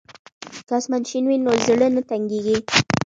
که اسمان شین وي نو زړه نه تنګیږي.